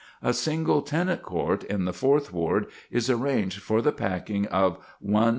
A single tenant court in the Fourth Ward is arranged for the packing of 1,000 persons.